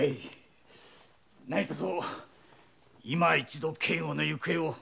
なにとぞ今一度圭吾の行方を。